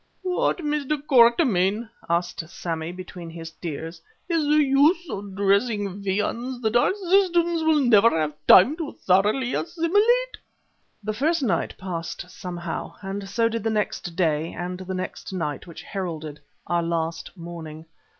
"What, Mr. Quatermain," asked Sammy between his tears, "is the use of dressing viands that our systems will never have time to thoroughly assimilate?" The first night passed somehow, and so did the next day and the next night which heralded our last morning.